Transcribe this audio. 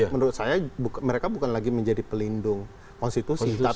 menurut saya mereka bukan lagi menjadi pelindung konstitusi